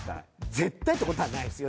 絶対ってことはないですよ。